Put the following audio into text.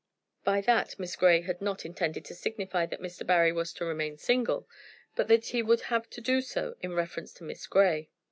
By that Miss Grey had not intended to signify that Mr. Barry was to remain single, but that he would have to do so in reference to Miss Grey.